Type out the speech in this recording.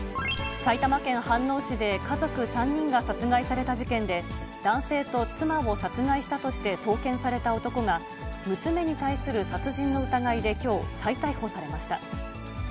埼玉県飯能市で家族３人が殺害された事件で、男性と妻を殺害したとして送検された男が、娘に対する殺人の疑いできょう、再逮捕されました。